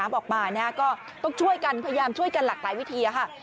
ออกมาก็ต้องช่วยกันพยายามช่วยกันหลากหลายวิธีค่ะ